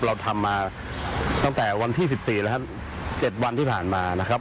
เราทำมาตั้งแต่วันที่๑๔แล้วครับ๗วันที่ผ่านมานะครับ